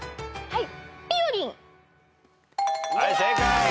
はい。